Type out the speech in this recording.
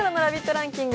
ランキング。